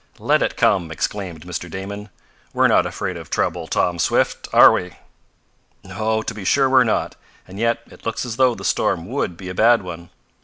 "Let it come!" exclaimed Mr. Damon. "We're not afraid of trouble, Tom Swift, are we?" "No, to be sure we're not. And yet it looks as though the storm would be a bad one."